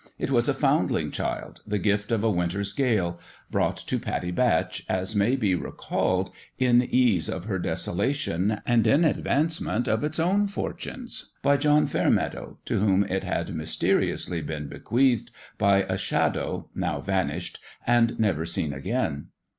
It was a foundling child, the gift of a winter's gale, brought to Pattie Batch, as may be recalled, in ease of her desolation and in advance ment of its own fortunes, by John Fairmeadow, to whom it had mysteriously been bequeathed by a Shadow, now vanished, and never seen again.